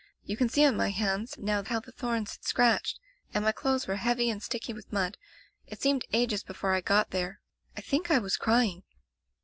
You can see on my hands now how the thorns had scratched, and my clothes were heavy and sticky with mud. It seemed ages before I got there. I think I was crying.